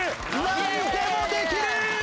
なんでもできる！